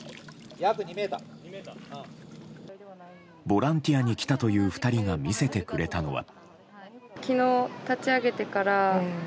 ボランティアに来たという２人が見せてくれたのは。